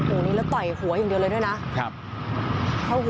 โอ้โหนี่แล้วต่อยหัวอย่างเดียวเลยด้วยนะครับ